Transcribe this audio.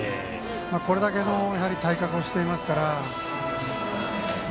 これだけの体格をしていますから。